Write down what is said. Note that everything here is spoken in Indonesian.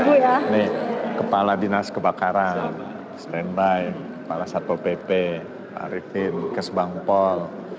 ini kepala dinas kebakaran standby kepala satu pp pak arifin kes bangpol